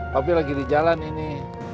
tapi lagi di jalan ini